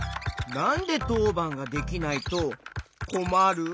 なんでとうばんができないとこまる？